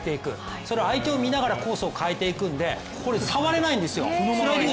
それを相手を見ながらコースを変えていくので触れないんですよ。